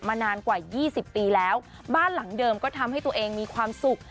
นานกว่า๒๐ปีแล้วบ้านหลังเดิมก็ทำให้ตัวเองมีความสุข